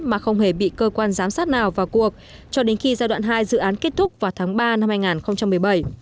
mà không hề bị cơ quan giám sát nào vào cuộc cho đến khi giai đoạn hai dự án kết thúc vào tháng ba năm hai nghìn một mươi bảy